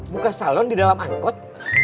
buka salon di dalam angkot